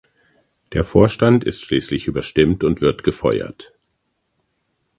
Der Vorstand ist schließlich überstimmt und wird gefeuert.